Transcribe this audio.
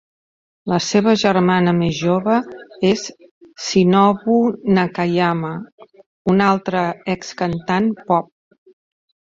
La seva germana més jove és Shinobu Nakayama, una altra excantant pop.